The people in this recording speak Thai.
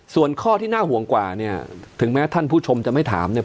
ส่วนข้อที่น่าห่วงกว่าเนี่ยถึงแม้ท่านผู้ชมจะไม่ถามเนี่ย